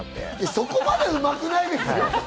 そこまでうまくないですよ！